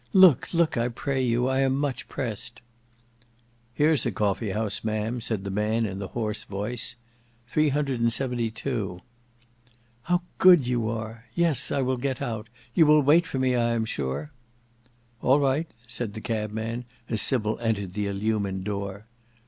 Look, look, I pray you! I am much pressed." "Here's a coffee house, Ma'am," said the man in a hoarse voice. 372 "How good you are! Yes; I will get out. You will wait for me, I am sure?" "All right," said the cabman, as Sybil entered the illumined door.